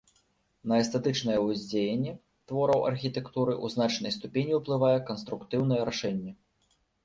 На эстэтычнае ўздзеянне твораў архітэктуры ў значнай ступені ўплывае канструктыўнае рашэнне.